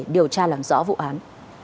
điều tra làm rõ vụ án